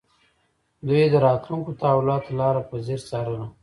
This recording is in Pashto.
دوی د راتلونکو تحولاتو لاره په ځیر څارله